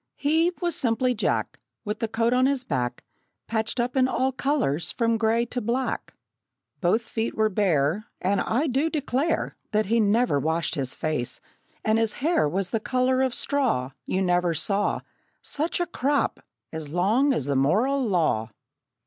He, was simply Jack, With the coat on his back Patched up in all colors from gray to black. Both feet were bare; And I do declare That he never washed his face; and his hair Was the color of straw You never saw Such a crop as long as the moral law!